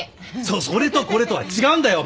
そそれとこれとは違うんだよ。